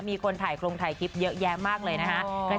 มีคนถ่ายโครงถ่ายคลิปเยอะแยะมากเลยนะคะ